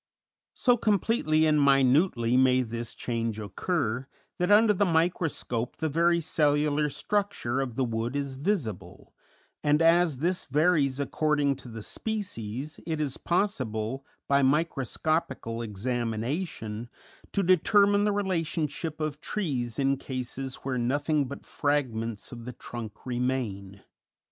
So completely and minutely may this change occur that under the microscope the very cellular structure of the wood is visible, and as this varies according to the species, it is possible, by microscopical examination, to determine the relationship of trees in cases where nothing but fragments of the trunk remain.